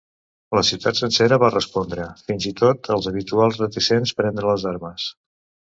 La ciutat sencera va respondre, fins i tot els habituals reticents prendre les armes.